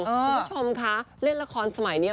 คุณผู้ชมคะเล่นละครสมัยนี้